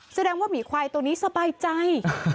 แสดงว่าหมีควายตัวนี้สบายใจ